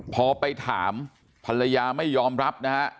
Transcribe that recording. พอไปถามภรรยาไม่ยอมรับนะฮะ